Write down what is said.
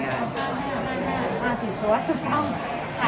ง่ายงั้ยมงคุณค่ะ